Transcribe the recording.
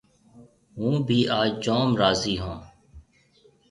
هُون ڀِي آج جوم راضِي هون۔